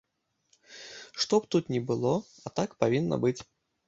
Што б тут ні было, а так павінна быць!